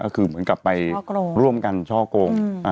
ก็คือเหมือนกับไปร่วมกันช่อกง